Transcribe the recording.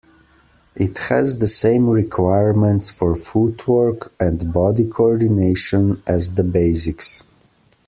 It has the same requirements for footwork and body coordination as the basics.